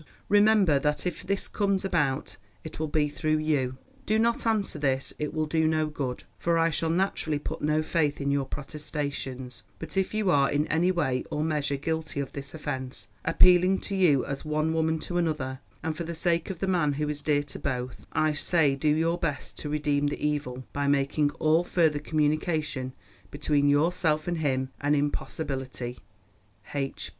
Remember that if this comes about it will be through you. Do not answer this, it will do no good, for I shall naturally put no faith in your protestations, but if you are in any way or measure guilty of this offence, appealing to you as one woman to another, and for the sake of the man who is dear to both, I say do your best to redeem the evil, by making all further communication between yourself and him an impossibility. H.